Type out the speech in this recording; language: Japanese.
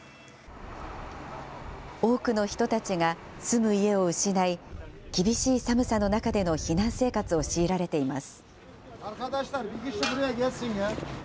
多くの人たちが住む家を失い、厳しい寒さの中での避難生活を強いられています。